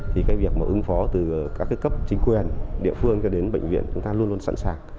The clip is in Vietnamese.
thì cái việc mà ứng phó từ các cái cấp chính quyền địa phương cho đến bệnh viện chúng ta luôn luôn sẵn sàng